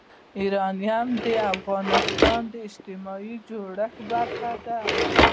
یورانیم د افغانستان د اجتماعي جوړښت برخه ده.